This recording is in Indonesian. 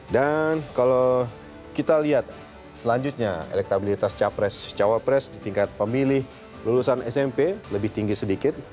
dan kalau kita lihat selanjutnya elektabilitas cawapres di tingkat pemilih lulusan smp lebih tinggi sedikit